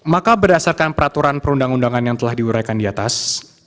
maka berdasarkan peraturan perundang undangan yang telah diuraikan di atas